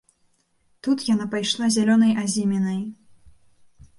Тут яна пайшла зялёнай азімінай.